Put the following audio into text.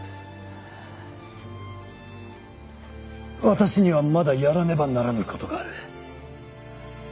私にはまだやらねばならぬことがある。